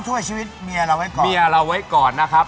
ส่งชีวิตเมี่ยว่ะส่งชีวิตเมี่ยไว้ก่อนนะครับ